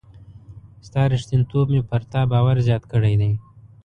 ستا ریښتینتوب مي پر تا باور زیات کړی دی.